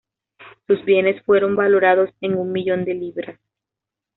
Sus bienes fueron valorados en un millón de libras.